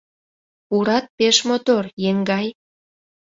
Пурат пеш мотор, еҥгай!